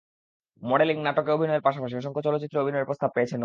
Modelling, নাটকে অভিনয়ের পাশাপাশি অসংখ্য চলচ্চিত্রে অভিনয়ের প্রস্তাব পেয়েছেন নোবেল।